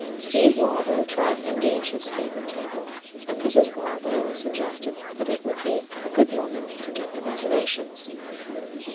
Steve Waldo tried to engage his favourite table, and Mrs. Waldo suggested that it would be a good moment to get the reservations.